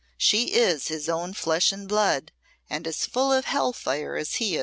She is his own flesh and blood, and as full of hell fire as he."